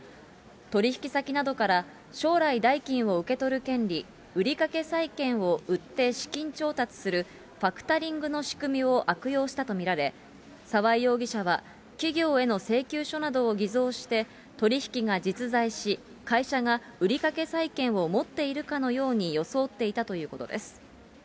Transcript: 取り引き先などから、将来、代金を受け取る権利、売掛債権を売って資金調達する、ファクタリングの仕組みを悪用したと見られ、沢井容疑者は、企業への請求書などを偽造して、取り引きが実在し、会社が売掛債権を持っているかのように装っていたということです。